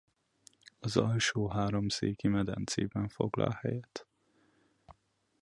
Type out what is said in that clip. Az Alsó-Háromszéki medencében foglal helyet.